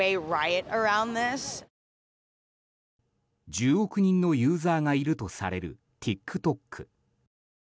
１０億人のユーザーがいるとされるＴｉｋＴｏｋ。